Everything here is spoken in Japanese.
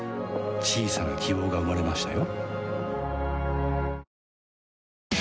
小さな希望が生まれましたよ